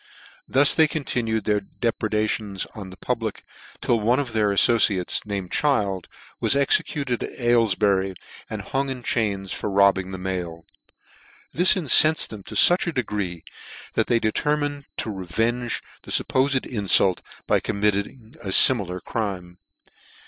Thus they continued their depredations on the public, till one 'of their alibciates, named Child, was executed at Aylef bury, and hung in chains, for robbing the mail. This incenfed' them to fuch a degree, that they determined to revenge the fuppofed infult by committing a fimilar crime.